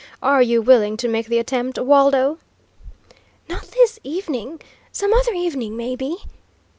Are you willing to make the attempt, Waldo?" "Not this evening; some other evening, maybe!"